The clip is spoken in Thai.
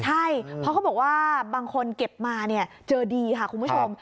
ใช่เพราะเขาบอกว่าบางคนเก็บมาเจอดีค่ะคุณผู้ชม